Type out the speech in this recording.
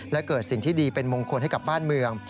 และเกิดสิ่งที่ดีเป็นมงคลให้กับบ้านเมือง